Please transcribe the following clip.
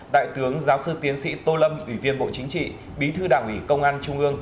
đại tướng giáo sư tiến sĩ tô lâm ủy viên bộ chính trị bí thư đảng ủy công an trung ương